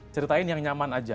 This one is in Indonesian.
ceritain yang nyaman aja